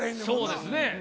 そうですね。